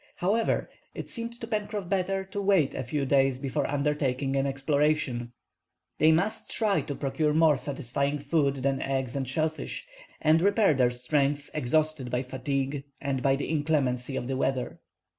However, it seemed to Pencroff better to wait a few days before undertaking an exploration. They must try to procure more satisfying food than eggs and shellfish, and repair their strength, exhausted by fatigue and by the inclemency of the weather.